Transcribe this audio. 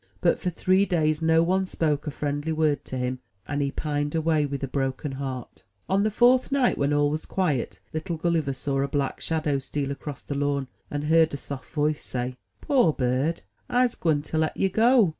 But for three days no one spoke a friendly word to him, and he pined away with a broken heart. On the fourth night, when all was quiet, little Gulliver saw a black shadow steal across the lawn, and heard a soft voice say: *Toor bird, Fse gwine to let yer go.